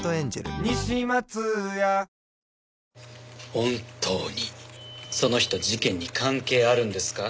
本当にその人事件に関係あるんですか？